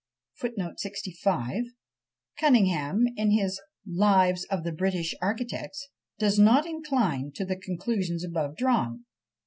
Cunningham, in his "Lives of the British Architects," does not incline to the conclusions above drawn.